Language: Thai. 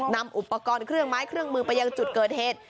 นำอุปกรณ์เครื่องไม้เครื่องมือไปยังจุดเกิดเหตุ